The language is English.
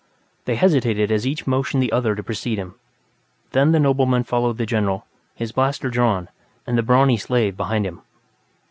They hesitated as each motioned the other to precede him; then the nobleman followed the general, his blaster drawn, and the brawny slave behind him.